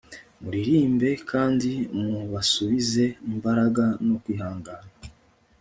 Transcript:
Muririmbe kandi mubasubize imbaraga no kwihangana